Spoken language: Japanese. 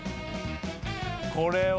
これ？